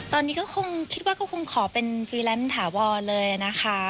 ตอนนี้คิดว่าก็คงขอเป็นฟรีแรนส์ถาวรเลยนะคะ